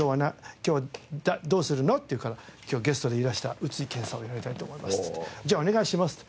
今日はどうするの？って言うから今日はゲストでいらした宇津井健さんをやりたいと思いますって言ってじゃあお願いしますって。